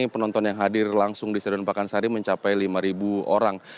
penonton yang hadir langsung di stadion pakansari mencapai lima orang